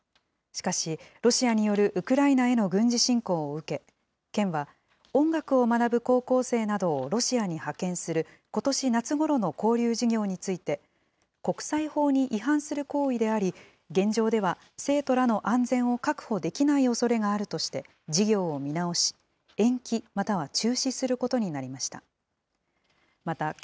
しかし、ロシアによるウクライナへの軍事侵攻を受け、県は音楽を学ぶ高校生などをロシアに派遣することし夏ごろの交流事業について、国際法に違反する行為であり、現状では、生徒らの安全を確保できないおそれがあるとして、事業を見直し、延期、または中止することになりました。